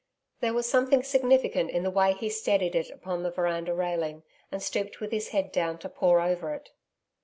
There was something significant in the way he steadied it upon the veranda railing, and stooped with his head down to pore over it.